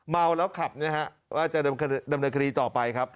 เมาแล้วขับนะฮะว่าจะดำเนินคดีต่อไปครับ